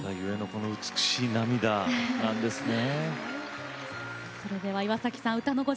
美しい涙なんですね。